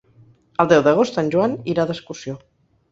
El deu d'agost en Joan irà d'excursió.